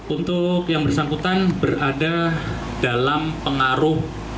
untuk yang bersangkutan berada dalam pengaruh